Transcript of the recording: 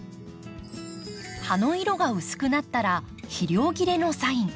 葉の色が薄くなったら肥料切れのサイン。